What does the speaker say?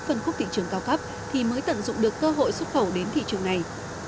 phân khúc thị trường cao cấp thì mới tận dụng được cơ hội xuất khẩu đến thị trường này